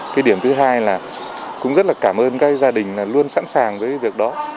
cái điểm thứ hai là cũng rất là cảm ơn các gia đình luôn sẵn sàng với việc đó